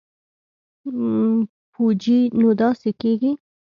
پوجي نو داسې کېږي.